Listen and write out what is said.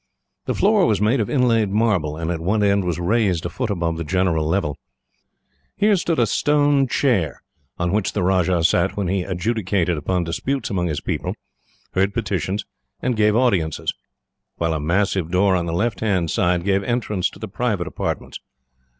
The floor was made of inlaid marble, and at one end was raised a foot above the general level. Here stood a stone chair, on which the Rajah sat when he adjudicated upon disputes among his people, heard petitions, and gave audiences; while a massive door on the left hand side gave entrance to the private apartments.